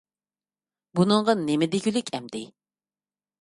بۇنىڭغا نېمە دېگۈلۈك ئەمدى!